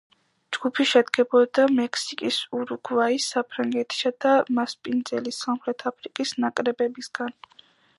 ჯგუფი შედგებოდა მექსიკის, ურუგვაის, საფრანგეთის და მასპინძელი სამხრეთ აფრიკის ნაკრებებისგან.